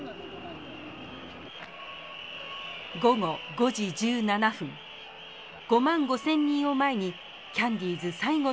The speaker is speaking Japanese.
午後５時１７分５万５，０００人を前にキャンディーズ最後のステージが始まります。